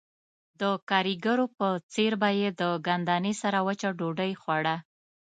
د ګاریګرو په څېر به یې د ګندنې سره وچه ډوډۍ خوړه